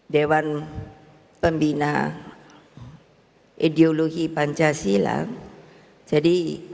dewan pembina ideologi pancasila jadi